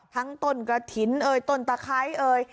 ทั้งต้นกระถิ่นต้นตะไคร้